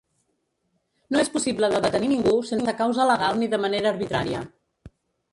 No és possible de detenir ningú sense causa legal ni de manera arbitrària.